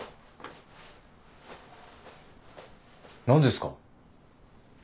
何ですか？